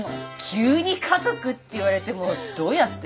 急に家族って言われてもどうやって？